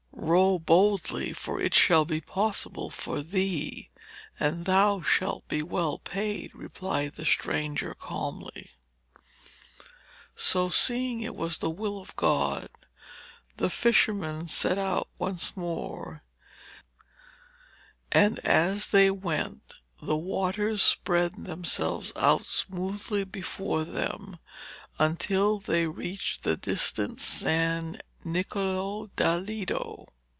'Row boldly, for it shall be possible for thee, and thou shalt be well paid,' replied the stranger calmly. So, seeing it was the will of God, the fisherman set out once more, and, as they went, the waters spread themselves out smoothly before them, until they reached the distant San Niccolo da Lido.